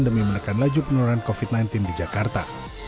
demi menekan laju penurunan covid sembilan belas di jakarta